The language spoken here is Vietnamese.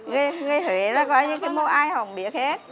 người huế là gọi như cái mô ai hổng biết hết